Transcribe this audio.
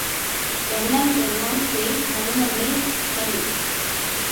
எண்ணம் எல்லாம் பொய் மெளனமே மெய்.